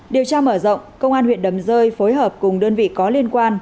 điều tra mở rộng công an huyện đầm rơi phối hợp cùng đơn vị có liên quan